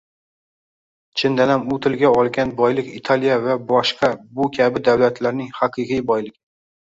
Chindanam u tilga olgan boylik Italiya va boshqa bu kabi davlatlarning haqiqiy boyligi